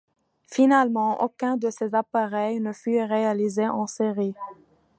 Finalement, aucun de ces appareils ne fut réalisé en série.